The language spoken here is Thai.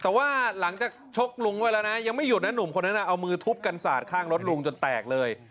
ตัวว่าหลังจากโชคหลุงไปแล้วนะยังไม่หยุดนะหนุ่มคนเอามือถุบกันสัดค่างรถหลุงจนแตกเลย